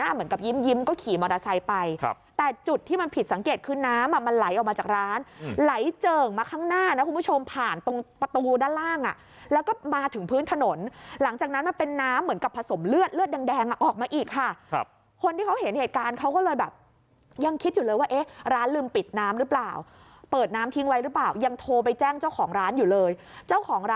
เหมือนกับยิ้มก็ขี่มอเตอร์ไซค์ไปแต่จุดที่มันผิดสังเกตคือน้ำอ่ะมันไหลออกมาจากร้านไหลเจิ่งมาข้างหน้านะคุณผู้ชมผ่านตรงประตูด้านล่างอ่ะแล้วก็มาถึงพื้นถนนหลังจากนั้นมันเป็นน้ำเหมือนกับผสมเลือดเลือดแดงออกมาอีกค่ะคนที่เขาเห็นเหตุการณ์เขาก็เลยแบบยังคิดอยู่เลยว่าร้านลืมปิดน้ำหรื